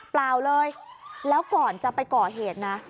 เปล่าเลยแล้วก่อนจะไปก่อเหตุนะ